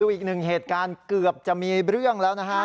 อีกหนึ่งเหตุการณ์เกือบจะมีเรื่องแล้วนะฮะ